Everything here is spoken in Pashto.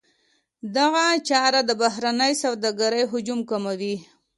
دغه چاره د بهرنۍ سوداګرۍ حجم کموي.